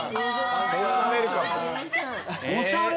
おしゃれ。